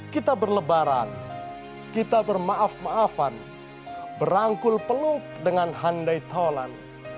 kita berlebaran kita bermaaf maafan berangkul peluk dengan handai tolan